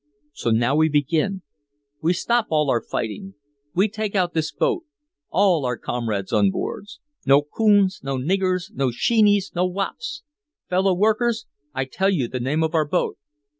So now we begin we stop all our fighting we take out this boat all our comrades on board! No coons, no niggers, no sheenies, no wops! Fellow workers I tell you the name of our boat!